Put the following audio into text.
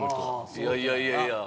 いやいやいやいや。